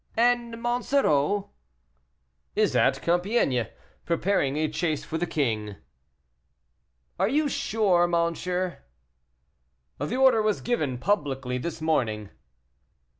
"And Monsoreau?" "Is at Compiègne, preparing a chase for the king." "Are you sure, monsieur?" "The order was given publicly this morning."